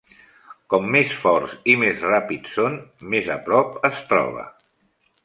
Com més forts i més ràpids són, més a prop es troba.